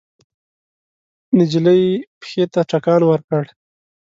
نجلۍ پښې ته ټکان ورکړ.